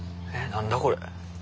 何だこれ。